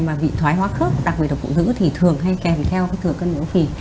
mà bị thoái hóa khớp đặc biệt là phụ nữ thì thường hay kèm theo cái thừa cân béo phì